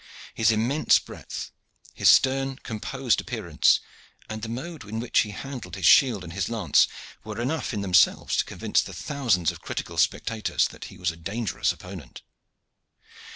His immense breadth, his stern composed appearance, and the mode in which he handled his shield and his lance, were enough in themselves to convince the thousands of critical spectators that he was a dangerous opponent.